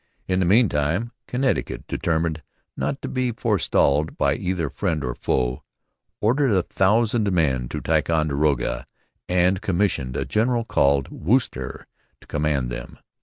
In the meantime Connecticut, determined not to be forestalled by either friend or foe, ordered a thousand men to Ticonderoga and commissioned a general called Wooster to command them.